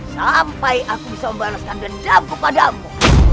sampai aku bisa membalaskan dendamku padamu